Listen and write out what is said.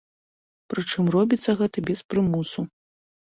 Прычым робіцца гэта без прымусу.